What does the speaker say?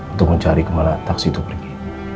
untuk mencari kemana taksi itu pergi